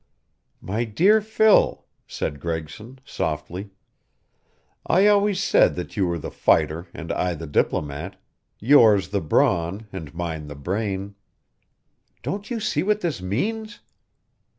"My dear Phil," said Gregson, softly. "I always said that you were the fighter and I the diplomat, yours the brawn and mine the brain. Don't you see what this means?